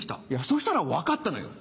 そしたら分かったのよ。